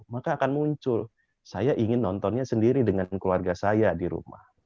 maka akan muncul saya ingin nontonnya sendiri dengan keluarga saya di rumah